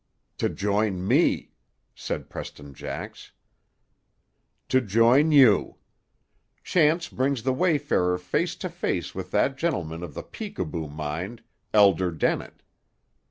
"To join me," said Preston Jax. "To join you. Chance brings the wayfarer face to face with that gentleman of the peekaboo mind, Elder Dennett.